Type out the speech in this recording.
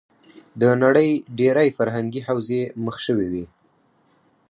د نړۍ ډېری فرهنګې حوزې مخ شوې وې.